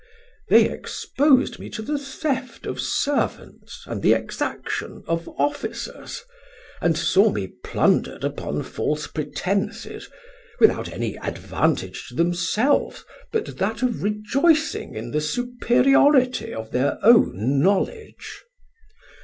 They exposed me to the theft of servants and the exaction of officers, and saw me plundered upon false pretences, without any advantage to themselves but that of rejoicing in the superiority of their own knowledge."